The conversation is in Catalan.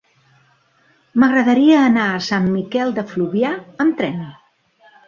M'agradaria anar a Sant Miquel de Fluvià amb tren.